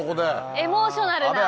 エモーショナルな。